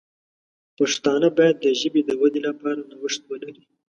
پښتانه باید د ژبې د ودې لپاره نوښت ولري.